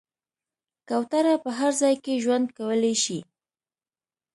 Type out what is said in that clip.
کوتره په هر ځای کې ژوند کولی شي.